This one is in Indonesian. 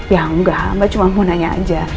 ya enggak mbak cuma mau nanya aja